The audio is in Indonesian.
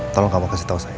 tolong kamu kasih tahu saya